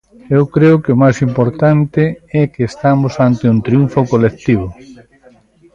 Eu creo que o máis importante é que estamos ante un triunfo colectivo.